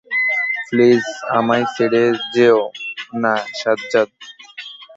Please আমায় ছেড়ে যেও না, সাজ্জাদ।